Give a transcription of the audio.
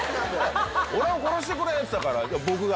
「俺を殺してくれ」っつったから僕が。